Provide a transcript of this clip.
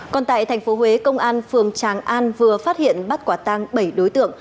còn tại tp huế công an phường tràng an vừa phát hiện bắt quả tang bảy đối tượng